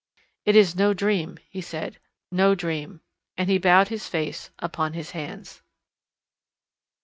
"It is no dream," he said, "no dream." And he bowed his face upon his hands.